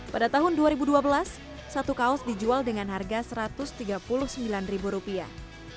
pada tahun dua ribu dua belas satu kaos dijual dengan harga satu ratus tiga puluh sembilan ribu rupiah